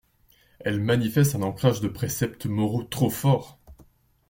Elle manifeste un ancrage de préceptes moraux trop fort